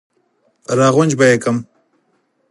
را غونج به یې کړم.